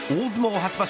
初場所